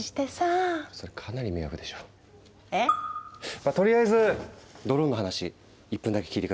まぁとりあえずドローンの話１分だけ聞いて下さい。